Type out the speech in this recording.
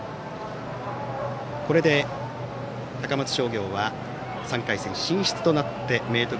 これで高松商業は３回戦進出となって明徳